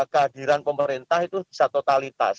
kehadiran pemerintah itu bisa totalitas